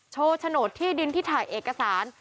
โฉนดที่ดินที่ถ่ายเอกสาร